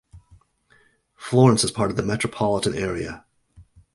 Florence is part of the metropolitan area.